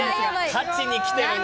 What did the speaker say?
勝ちにきてるね。